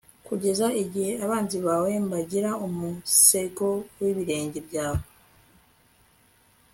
kugeza igihe abanzi bawe mbagira umusego w'ibirenge byawe